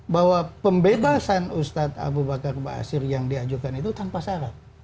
bahwa pembebasan ustadz abu bakar basir yang diajukan itu tanpa syarat